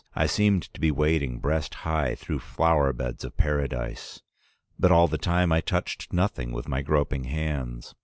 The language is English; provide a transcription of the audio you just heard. I seemed to be wading breast high through flower beds of Paradise, but all the time I touched nothing with my groping hands.